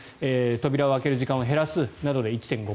扉を開ける時間を減らすなどで１．５％。